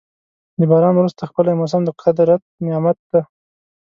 د باران وروسته ښکلی موسم د قدرت نعمت دی.